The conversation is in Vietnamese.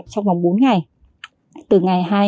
trong vòng bốn ngày